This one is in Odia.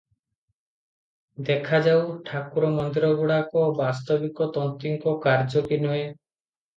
ଦେଖାଯାଉ, ଠାକୁର ମନ୍ଦିରଗୁଡ଼ାକ ବାସ୍ତବିକ ତନ୍ତୀଙ୍କ କାର୍ଯ୍ୟକି ନୁହେଁ ।